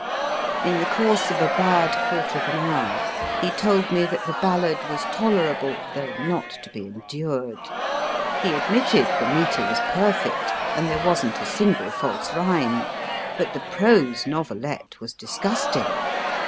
In the course of a bad quarter of an hour, he told rne that the ballad was tolerable, though not to be endured ; he admitted the metre was perfect, and there wasn t a single false rhyme. But the prose novelette was disgusting.